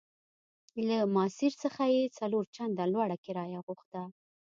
له ماسیر څخه یې څلور چنده لوړه کرایه غوښته.